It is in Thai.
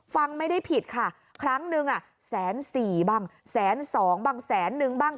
ฟังไม่ได้ผิดค่ะครั้งหนึ่งอ่ะแสนสี่บ้างแสนสองบ้างแสนนึงบ้าง